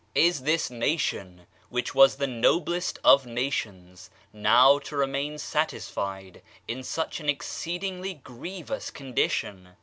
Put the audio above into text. Is this nation, which was the noblest of nations, now to remain satisfied in such an exceedingly grievous condition?